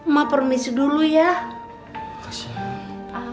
mak permisi dulu ya